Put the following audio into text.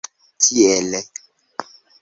Tiele.